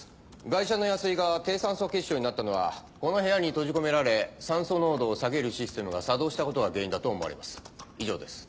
ガイシャの安井が低酸素血症になったのはこの部屋に閉じ込められ酸素濃度を下げるシステムが作動したことが原因だと思われます以上です。